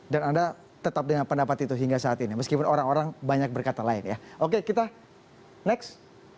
dan anda tetap dengan pendapat itu hingga saat ini meskipun orang orang banyak berkata lain ya oke kita next